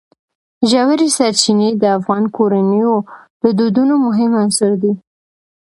ژورې سرچینې د افغان کورنیو د دودونو مهم عنصر دی.